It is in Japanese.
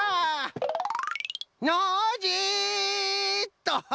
ノージーっと！